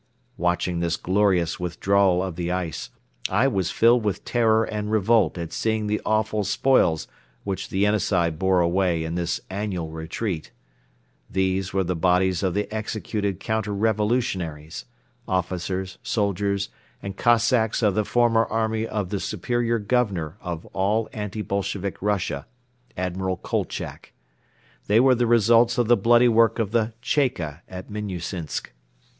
Watching this glorious withdrawal of the ice, I was filled with terror and revolt at seeing the awful spoils which the Yenisei bore away in this annual retreat. These were the bodies of the executed counter revolutionaries officers, soldiers and Cossacks of the former army of the Superior Governor of all anti Bolshevik Russia, Admiral Kolchak. They were the results of the bloody work of the "Cheka" at Minnusinsk.